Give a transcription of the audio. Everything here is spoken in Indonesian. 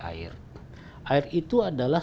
air air itu adalah